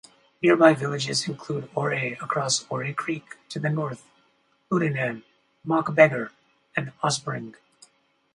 Nearby villages include Oare across Oare Creek to the north, Luddenham, Mockbeggar and Ospringe.